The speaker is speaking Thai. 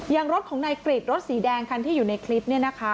รถของนายกริจรถสีแดงคันที่อยู่ในคลิปเนี่ยนะคะ